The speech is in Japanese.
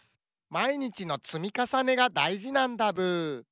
まいにちのつみかさねがだいじなんだブー。